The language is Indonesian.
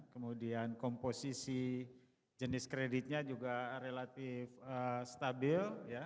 kemudian komposisi jenis kreditnya juga relatif stabil